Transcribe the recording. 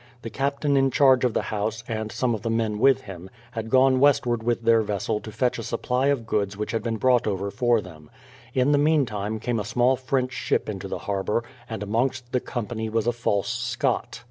The captain in charge of the house, and some of the men with him, had gone west ward with their vessel to fetch a supply of goods which had been brought over for them. In the meantime came a small French ship into the harbour, and amongst the company was a false Scot.